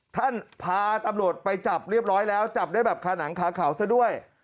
พาตำรวจไปจับเรียบร้อยแล้วจับได้แบบคาหนังคาเขาซะด้วย